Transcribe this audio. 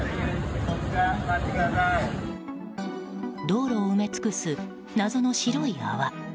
道路を埋め尽くす謎の白い泡。